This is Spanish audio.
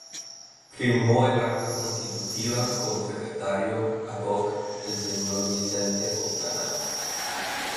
Firmó el acta constitutiva como secretario ad-hoc el señor Vicente Fontana.